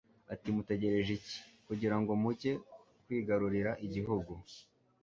ati mutegereje iki kugira ngo mujye kwigarurira igihugu